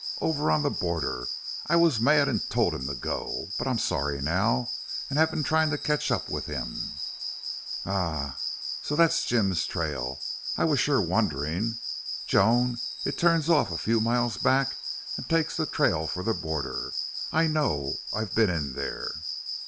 Over on the border! I was mad and told him to go.... But I'm sorry now and have been trying to catch up with him." "Ahuh!... So that's Jim's trail. I sure was wonderin'. Joan, it turns off a few miles back an' takes the trail for the border. I know. I've been in there."